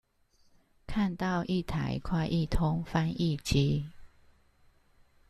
看到一台快譯通翻譯機